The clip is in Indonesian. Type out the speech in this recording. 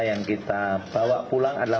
yang kita bawa pulang adalah